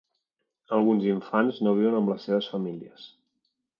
Alguns infants no viuen amb les seves famílies.